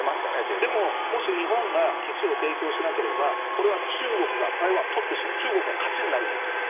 でももし日本が基地を提供しなければ、これは中国が台湾をとってしまう、中国が勝ちになるんですよ。